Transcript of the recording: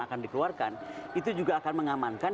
akan dikeluarkan itu juga akan mengamankan